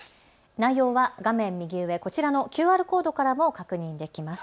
内容は画面右上、こちらのＱＲコードからも確認できます。